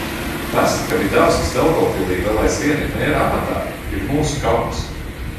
Tas, ka Vidavskis Daugavpilī vēl aizvien ir mēra amatā, ir mūsu kauns.